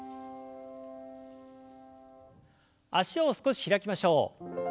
脚を少し開きましょう。